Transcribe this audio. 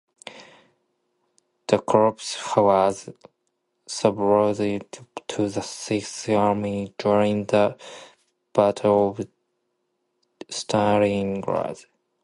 The corps was subordinated to the Sixth Army during the Battle of Stalingrad.